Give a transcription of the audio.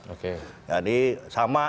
oke jadi sama